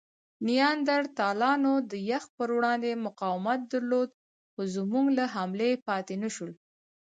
نیاندرتالانو د یخ پر وړاندې مقاومت درلود؛ خو زموږ له حملې پاتې نهشول.